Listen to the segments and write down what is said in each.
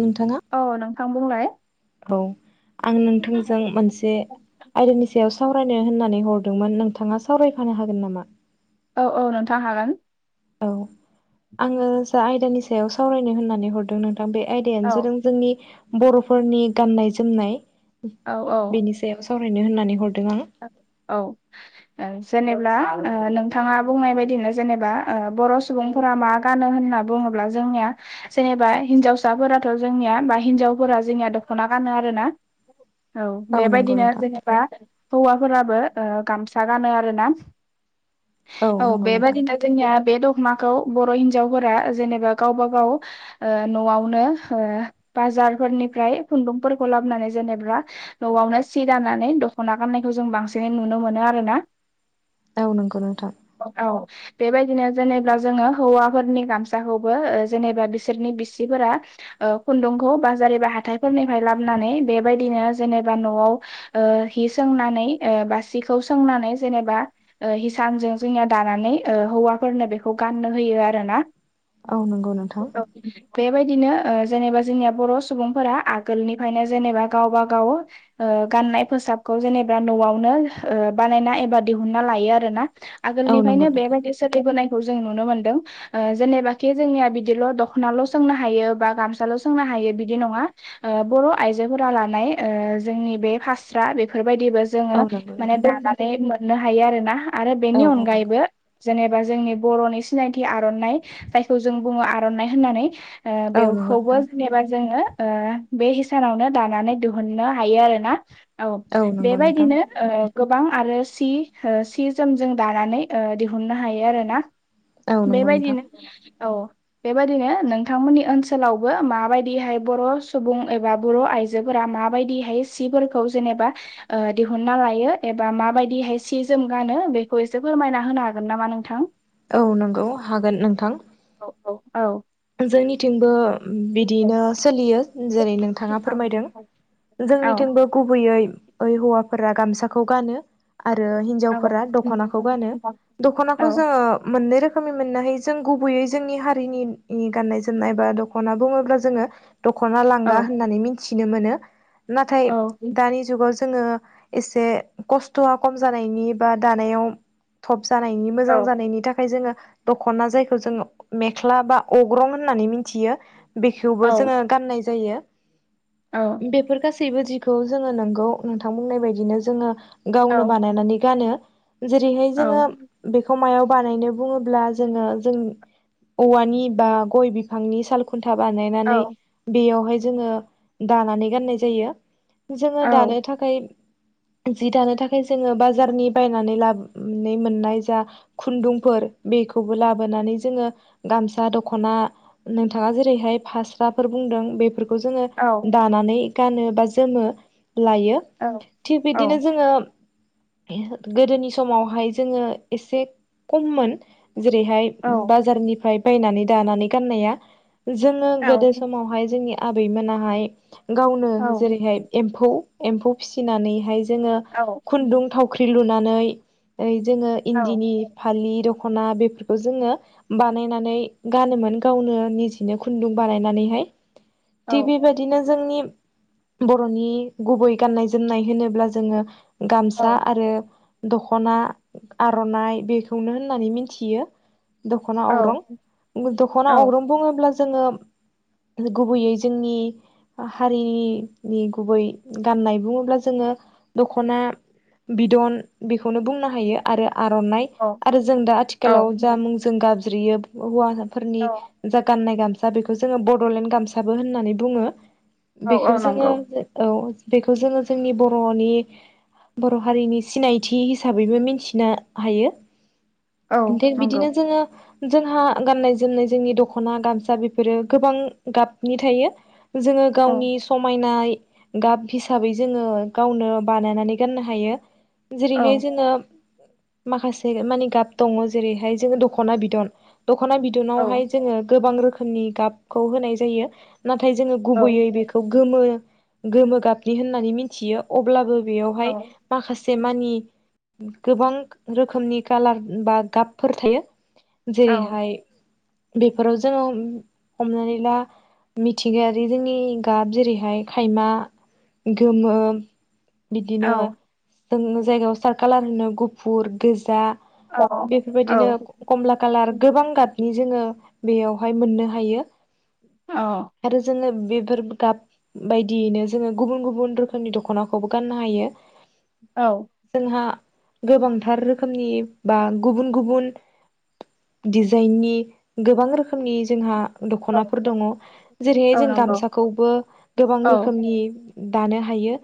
नोंथाङा औ नोंथां बुंलाय। औ आं नोंथांजों मोनसे आयदानि सायाव सावरायनो होननानै हरदोंमोन नोंथाङा सावरायफानो हागोन नामा? औ औ नोंथां हागोन। औ आङो जा आयदानि सायाव सावरायनो होननानै हरदों नों बे औ आयदायानो जादों जोंनि बर'फोरनि गाननाय जोमनाय औ औ बिनि सायाव सावरायनो होननानै हर औ ओं जेनेब्ला ओ नोंथाङा बुंनाय बायदिनो जेनेबा ओ बर' सुबुंफोरा मा गानो होनना बुङोब्ला जोंनिया जेनेबा हिनजावसाफोराथ' जोंनिया बा हिनजावफोरा जोंनिया दख'ना गानो आरोना। औ नंगौ बेबायदिनो नोंथां जेनेबा हौवाफोराबो ओ गामसा गानो आरोना। औ नंगौ नोंथां बेबादिनो जोंनिया बे द माकौ बर' हिनजावफोरा जेनेबा गावबा गाव ओ न'आवनो जारफोरनिफ्राय खुन्दुंफोरखौ लाबनानै जेनेबा न'आवनो सि दानानै दख'ना गाननायखौ जों बांसिनै नुनो मोनो आरोना। औ नोंगौ नोंथां। औ बेबायदिनो जेनेब्ला जोङो हौवाफोरनि गामसाखौबो ओ जेनेबा बिसोरनि बिसिफोरा ओ खुन्दुंखौ बाजार एबा हाथायफोरनिफाय लाबनानै बेबायदिनो जेनेबा न'आव ओ हि सोंनानै ओ बा सिखौ सोंनानै जेनेबा ओ हिसानजों जोंनिया दानानै ओ हौवाफोरनो बेखौ गाननो होयो आरो ना औ नंगौ नोंथां बे बायदिनो जेनेबा जोंनिया बर' सुबुंफोरा आगोलनिफ्रायनो जेनेबा गावबा गाव ओ गाननाय फोसाबखौ जेनेबा न'आवनो ओ बानायना एबा दिहुनना लायो आरो ना औ नंगौ आगोलनिफ्रायनो नोंथां बेबायदि सोलिबोनाय जों नुनो मोनदों ओ जेनेबााखि जोंनिया बिदिल' दख'नाल' सोंनो हायो बा गामसाल' सोंनो हा यो बिदि नङा ओ बर'आयजोफोरा लानाय ओ जोंनि बे फास्रा बायदिबो जोङो औ नंगौ माने नोंथां दानानै मोननो हायो आरो ना आरो औ बेनि औ नंगौ अनगायैबो जेने बा जोंनि बर'नि सिनायथि आर'नाय जायखौ जों बुङो आर'नाइ होननानै ओ औ नंगौ बेवखौबो नोंथां जेनेबा जोङो ओ बे हिसानावनो दानानै दिहुननो हायो आरो ना औ नंगौ नोंथां बेबायदिनो ओ गोबां आरो सि ओ सि जोमजों दानानै ओ दिहुननो हायो आरो ना औ नंगौ नोंथां बेबायदिनो औ बेबायदिनो नोंथांमोननि ओनसोलावबो माबायदिहाय बर' सुबुं एबा बर' आइ जोफोरा माबायदिहाय सिफोरखौ जेनेबा ओ दिहुनना लायो एबा माबायदिहाय सि जोम गानो बेखौ एसे फोरमायना होनो हागोन नामा नोंथां? औ नंगौ हागोन नोंथां औ औ औ जोंनिथिंबो बिदियैनो सोलियो औ जेरै नोंथाङा फोरमायदों जोंनिथिंबो गुबैयै ओइ हौवाफोरा गामसाखौ गानो आरो हिनजावफोरा दख'नाखौ गानो दख'नाखौ जोङो मोननै रोखोम रोखोमै मोननो हाय जों गुबैयै जोंनि हारिनि गाननाय जोमनाय बा दख'ना बुङोब्ला जोङो दख'ना लांगा होननानै मिथिनो मोनो नाथाय दानि जुगाव ज जोङो एसे खस्थ'आ खम जानायनि बा दानायाव जानायनि मोजां जानायनि थाखाय जोङो दख'ना जायखौ जोङो मेख्ला बा अग्रं होननानै मिथियो बेखौबो जोङो गाननाय जायो बेफोर गासैबो जिखौ जोङो नोंगौ नोंथां बुंनाय बायदिनो जोङो गावनो बानायनानै गानो जेरैहाय जोङो बेखौ मायाव बानायनो बुङोब्ला जोङो जों औवानि बा गय बिफाननि साल खुन्था बानायनानै बेयावहाय जोङो दानानै गाननाय जायो जोङो दानो थाखाय जि दानो थाखाय जोङो बाजारनि बायनानै लाब मोननाय जा खुन्दुंफोर बेखौबो लाबोनानै जोंङो गामस सा दख'ना नोंथाङा जेरैहाय फास्राफोर बुंदों बेफोरखौ जोङो दानानै गानो बा जोमो लायो थिग बिदिनो जोङो गोदोनि समावहाय जोङो एसे खममोन जेरैहाय बाजारनिफ्राय बायनानै दानानै गाननाया जोङो गोदो समावहाय जोंनि आबैमोनाहाय गावनो औ जेरैहाय एम्फौ एम्फौ फिसिनानैहाय जोङो खुन्दुं थावख्रि लुनानै जोंङो इन्दिनि फालि दख'ना बेफोरखौ जोङो बानायनानै नै गानोमोन गावनो निजिनो खुन्दुं बानायनानैहाय थिग बेबायदिनो जोंनि बर'नि गुबै गाननाय जोमनाय होनोब्ला जोङो गामसा आरो दख'ना आर'नाइ बेखौनो होननानै मिथियो दख'ना अग्रं दख'ना अग्रं बुङोब्ला जोङो गुबैयै जोंनि हारिनि गुबै गाननाय बुङोब्ला जोङो दख'ना बिदन बेखौनो बुंनो हायो आरो आर'नाइ आरो जों दा आथिखालाव जा मुंजों गाबज्रियो हौवा फोरनि जा गाननाय गामसा बेखौ जोङो बड'लेण्ड गामसाबो होननानै बुङो। औ औ बेखौ जोङो नंगौ औ बेखौ जोङो जोंनि बर'नि बर' हारिनि सिनायथि हिसाबैबो मिनथिनो हायो। औ थिग नंगौ बिदिनो जोङो जोंहा गाननाय जोमनाय जोंनि दख'ना गामसा बेफोरो गोबां गाबनि थायो। जोङो औ गावनि समायनाय गाब हिसाबै जोङो गावनो बानायनानै गाननो हायो। औ जेरैहाय जोङो माखासे मानि गाब दङ जेरैहाय जोङो दख'ना बिदन। दख'ना औ बिदनावहाय जोङो गोबां रोखोमनि गाबखौ होनाय जायो। नाथाय जोङो औ गुबैयै बेखौ गोमो गोमो गाबनि होननानै मिनथियो। अब्लाबो बेयावहाय माखासे से मानि गोबां रोखोमनि कालार बा गाबफोर थायो। जेरैहाय बेफोराव जोङो हमनानै ला मिथिंगायारि जोंनि गाब जेरैहाय खायमा, गोमो औ बिदिनो जोंङो जायगायाव सार कालार होनो गुफुर, गोजा। बेफोरबायदिनो कमला कालार गोबां गाबनि जोङो बेयावहाय मोननो हायो आरो जोङो बेफोर गाब बायदियैनो जोङो गुबुन गुबुन रोखोमनि दख'नाखौबो गाननो हायो। औ जोंहा गोबांथार रोखोमनि बा गुबुन गुबुन डिजाइननि गोबां रोखोमनि जोंहा औ दख'नाफोर दङ। जेरैहाय औ जों नंगौ गामसाखौबो गोबां औ रोखोमनि दानो हायो।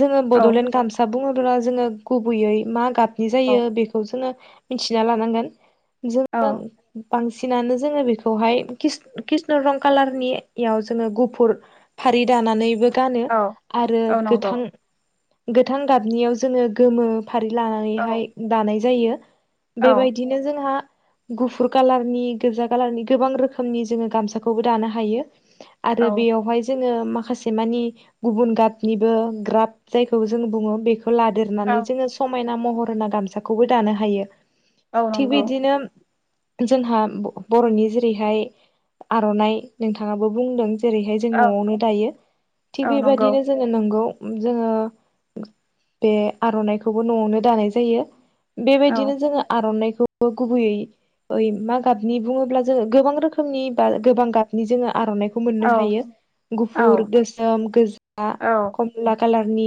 जोङो बड'लेण्ड गामसा बुङोब्ला जोङो गुबैयै मा गाब नि औ जायो बेखौ जोङो मिथिना लानांगोन। जोङो औ बांसिनानो जोङो बेखौहाय किस-किष्ण रं कालारनियाव जोङो गुफुर फा रि दानानैबो गानो औ आरो औ नंगौ गोथां गोथां गाबनियाव जोङो गोमो फारि औ लानानैहाय दानाय जायो। औ बेबायदिनो जोंहा गुफुर कालारनि गोजा कालारनि गोबां रोखोमनि जोङो गामसाखौबो दानो हायो। औ आरो बेयावहाय जों माखासे मानि गुबुन गाबनिबो ग्राब जायखौ जों बुङो, बेखौ खौ औ लादेरनानै जोङो समायना महर होना गामसाखौबो दानो हायो। औ थिग नंगौ बिदिनो जोंहा ब-बर'नि जेरैहाय आर'नाइ नोंथाङाबो बुंदों। जेरैहाय जों औ न'आवनो दायो। थिग औ नंगौ बेबादिनो जोङो नोंगौ । जोङो बे आर'नाइखौबो न'आवनो दानाय जायो। औ बेबायदिनो जोङो आर'नाइखौबो गुबैयै यै मा गाबनि बुङोब्ला जोङो गोबां रोखोमनि बा गोबां गाबनि जोङो आर'नाइखौ औ मोननो हायो। औ गुफुर, गोसोम, गोजा, औ खमला कालार नि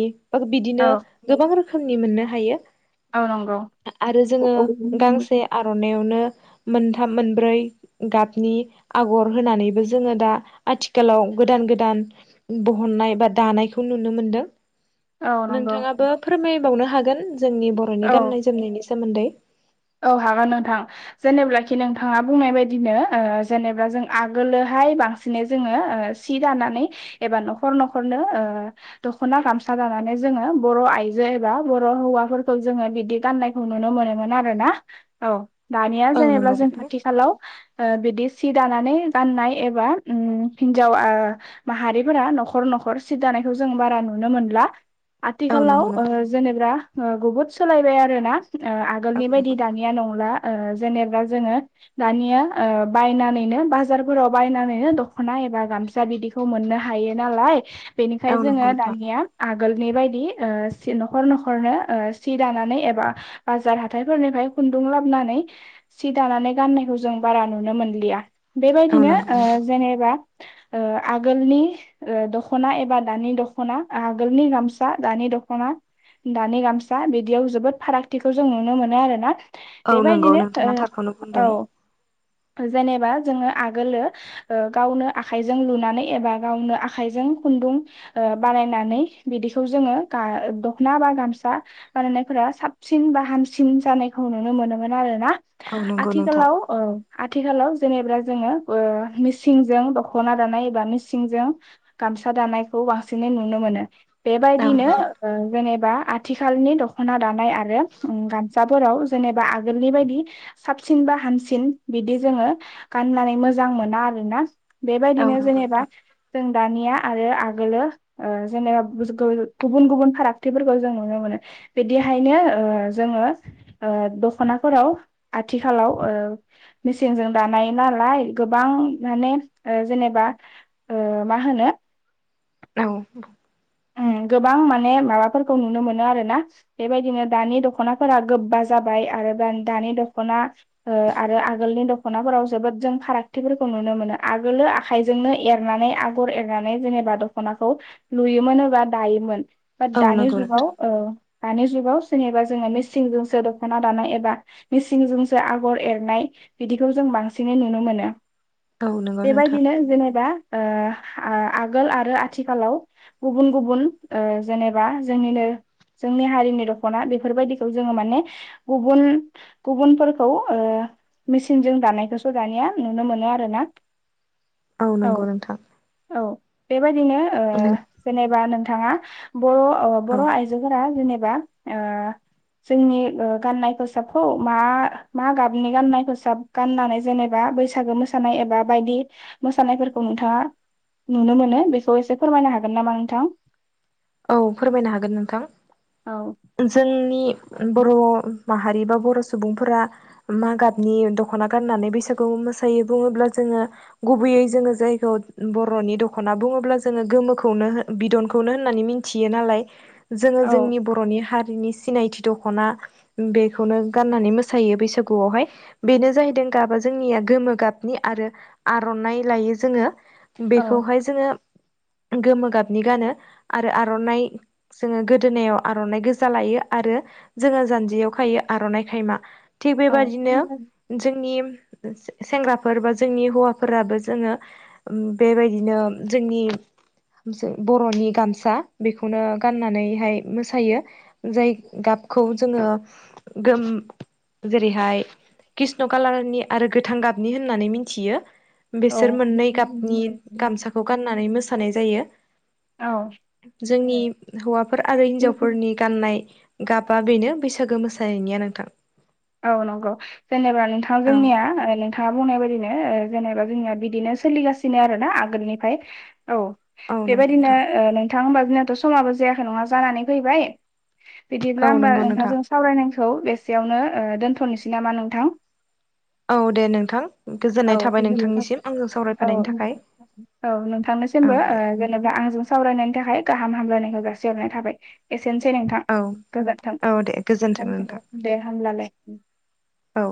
बिदिनो औ गोबां रोखोमनि मोननो हायो। औ नंगौ आ-आरो जोङो गांसे आर'नायाव नो मोन्थाय मोनब्रै गाबनि आगर होनानैबो जोङो दा आथिखाल लाव गोदान गोदान बहननाय बा दानायखौ नुनो मोनदों। औ नंगौ नोंथाङाबो फोरमायबावनो हागोन जोंनि बरनि औ गान्नाय जोमनायनि सोमोन्दै। औ हागोन नोंथां जेनेब्लाखि नोंथाङा बुंनाय बायदिनो ओ जेनेबा जों आगोलो हाय बांसिनै जोङो ओ सि दानानै एबा न'खर न'खरनो ओ दख'ना गामसा दानानै जोङो बर' आइजो एबा बर' हौवाफोरखौ जोङो बिदि गाननायखौ नुनो मोनोमोन आ रोना। औ। दानिया औ जेनेब्ला नंगौ जों नोंथां आथिखालाव ओ बिदि सि दानानै गाननाय एबा ओम हिन्जाव आ माहारिफोरा न'खर न' न'खर सि दानायखौ जों बारा नुनो मोनला। औ आथिखालाव नंगौ नोंथां ओ जेनेब्रा ओ गुबुद सोलायबाय आरो ना ओ औ गोलनि बायदि दानिया नंला। ओ जेनेबा जोङो दानिया ओ बायनानैनो बाजारफोराव बायनानैनो दखना एबा गाम सा बिदिखौ मोननो हायो नालाय बेनिखाय नंगौ जोङो नोंथां दानिया आग गोलनि बायदि ओ नखर नखरनो ओ सि दानानै एबा बाजार हाथा थायफोरनिफ्राय खुन्दुं लाबनानै सि दानानै गाननायखौ जों बारा नुनो मोनलिया औ बेबायदिनो नंगौ ओ नोंथां जेनेबा ओ आगोलनि ओ दखना एबा दानि दखना आगोलनि गामसा दानि गाम दखना दानि गामसा बिदियाव जोबोद फारागथिखौ जों नुनो मोनो आरो ना औ नंगौ नोंथां औ नंगौ बेबायदिनो नोंथाङा थारखौनो बुंदों ओ औ जेनेबा जोङो आगोलो ओ गावनो आखायजों लुनानै एबा गावनो आखायजों खुन्दुं ओ बानायनानै बिदिखौ जोङो गा दखना बा गामसा बानायनायफोरा साबसिन बा हामसिन जानायखौ नुनो मोनोमोन आरोना औ नंगौ नोंथां आथिखालाव ओ आथिखालाव जेनेब्रा जोङो मिसिंजों दखना दानाय एबा मिसिंजों गाम गामसा दानायखौ बांसिनै नुनो मोनो औ बेबायदिनो नंगौ ओ जेनेबा आथिखालनि दखना दानाय आरो ओं गान साफोराव जेनेबा आगोलनि बायदि साबसिन बा हामसिन बिदि जोङो गाननानै मोजां मोना आरोना औ बेबायदिनो नंगौ जेनेबा नोंथां जों दानिया आरो आगोलो ओ जेनेबा [unintelligible] गुबुन गुबुन फारागथिफोरखौ जों नुनो मोनो बिदिहायनो ओ जोङो ओ दखनाफोराव आथिखालाव ओ मेसेंजों दानाय नालाय गो गोबां माने ओ जेनेबा ओ मा होनो औ ओम गोबां माने माबाफोरखौ नुनो मोनो आरो ना बेबायदिनो दानि दखनाफोरा गोबा जाबाय आरो दान दानि दखना ओ आरो आगोलनि दखनाफोराव जोबोद जों फारागथिफोरखौ नुनो मोन मोन आगोलो आखाइजोंनो एरनानै आगर एरनानै जेनेबा दखनाखौ लुयो मोन होबा दायोमोन बा औ दानि नंगौ जुगाव नोंथां ओ दानि जुगाव जेनेबा जोङो मिसिंजोंसो दखना दानाय एबा मिसिंजोंसो आगर एरनाय बिदिखौ जों बांसिनै नुनो मोनो औ नंगौ नोंथां बेबायदिनो जेनेबा ओ आगोल आरो आथिखालाव गुबुन गुबुन ओ जेनेबा जोंनिनो जोंनि हारिनि दखना बेफोरबायदिखौ जोङो माने गुबुन गुबुनफोरखौ ओ मेसिनजों दानायखौसो दानिया नुनो मोनो आरो ना औ नोंगौ नोंथां बेबायदिनो ओ जेनेबा नोंथाङा बर अ बर औ आइजोफोरा जेने दा ओ जोंनि ओ गाननाय खसाबखौ मा मा गाबनि गाननाय खसाब गाननानै जेनेबा बैसागो मोसानाय एबा बायदि मोसानायफोरखौ नोंथाङा नुनो मोनो बेखौ एसे फोरमायनो हागोन नामा नोंथां औ फोरमायनो हागोन नोंथां औ जोंनि बर माहारि बा बर सुबुंफोरा मा गाबनि दखना गाननानै बैसागु मोसायो बुङोब्ला जों ङो गुबैयै जोङो जायखौ बरनि दखना बुङोब्ला जोङो गोमोखौनो बिदनखौनो होननानै मोनथि नालाय जोङो औ जोंनि बरनि हा बेनि सिनायथि दखना बेखौनो गाननानै मोसायो बैसागुयाव हाय बेनो जाहैदों। गाबा जोंनिया गोमो गाबनि आरो आरनाइ लायो जोङो। औ बेखौ हाय जोङो गोमो गाबनि गानो। आरो आरनाइ जोङो गोदोनायाव आरनाइ गोजा लायो आरो जोङो जानजियाव खायो। आरनाइ खायमा थिग औ बेबादिनो जोंनि सेंग्राफोर बा जोंनि हौवाफोराबो जोङो बेबायदिनो जोंनि [unintelligible] बरनि गाम सा बेखौनो गाननानै हाय मोसायो जाय गाबखौ जोङो। गोम जेरैहाय कृष्ण कालारनि आरो गोथां गाबनि होननानै मिथियो। औ बेसोर मोननै गाबनि गामसाखौ गाननानै मोसानाय जायो। जोंनि हौवाफोर आरो हिनजावफोरनि गाननाय गाबा बेनो बैसागो मोसानायनिया नोंथां। औ नंगौ जेनेबा नोंथां औ जोंनिया नोंथाङा बुंनाय बायदिनो ओ जेनेबा जोंनिया बिदिनो सोलिगासिनो आरोना आगोलनिफ्राय औ औ नंगौ बेबायदिनो नोंथां ओ नोंथां होनबाथ जोंना समाबो जायाखै नङा जानानै फैबाय। बिदिब्ला औ होमबा नंगौ नोंथां नोंथांजों सावरायनखौ बेसेयावनो ओ दोनथनोसै नामा नोंथां। औ दे नोंथां गोजोननाय थाबाय नोंथांनिसिम आंजों सावराय औ फानायनि थाखाय। औ औ नोंथांनिसिमबो ओ दे जेनेबा आंजों सावरायनायनि थाखाय। गाहाम हामलायनायखौ जासिहरनाय थाबाय ए सेनोसै नोंथां औ गोजोनथों औ दे गोजोन्थों नोंथां दे होनब्लालाय। औ